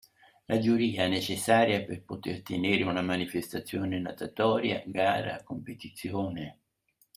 La giuria, necessaria per poter tenere una manifestazione natatoria (gara, competizione, …)